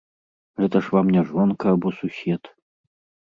Гэта ж вам не жонка або сусед.